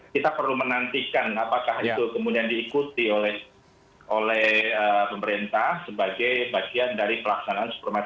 kita perlu menantikan apakah itu kemudian diikuti oleh pemerintah sebagai bagian dari pelaksanaan suplementasi